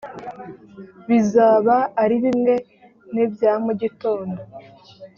bizaba ari bimwe n’ibya mu gitondo.